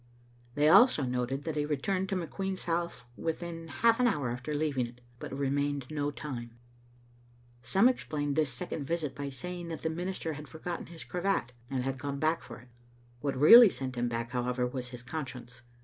They also noted Digitized by VjOOQ IC £nt> ot tbe State ot f nbecidion* 185 that he returned to McQueen's house within half an hour after leaving it, but remained no time. Some explained this second visit by saying that the minister had forgotten his cravat, and had gone back for it. What really sent him back, however, was his conscience.